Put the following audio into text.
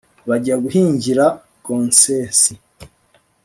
bajya guhingira gonsensi